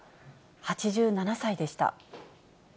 ８７歳でした。